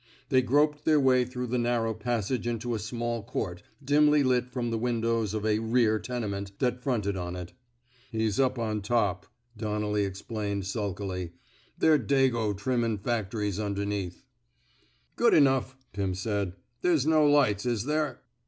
They groped their way through the narrow passage into a small court, dimly lit from the windows of a rear tenement '^ that fronted on it. He's up on top/' Donnelly explained, sulkily. They're Dago trimmin' fact'ries underneath." Good enough," Pim said. There's no lights, is there?